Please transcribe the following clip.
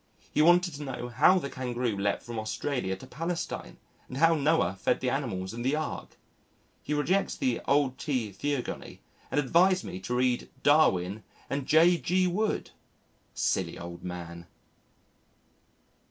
He wanted to know how the Kangaroo leapt from Australia to Palestine and how Noah fed the animals in the Ark. He rejects the Old T. theogony and advised me to read "Darwin and J.G. Wood!" Silly old man!